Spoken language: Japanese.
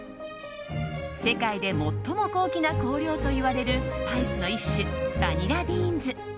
世界で最も高貴な香料といわれるスパイスの一種バニラビーンズ。